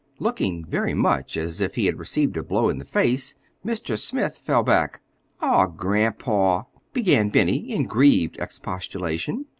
Looking very much as if he had received a blow in the face, Mr. Smith fell back. "Aw, grandpa"—began Benny, in grieved expostulation.